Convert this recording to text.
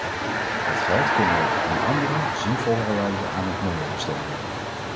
Dat geld kunnen we op een andere, zinvollere wijze aan het milieu besteden.